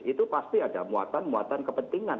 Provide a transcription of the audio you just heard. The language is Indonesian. itu pasti ada muatan muatan kepentingan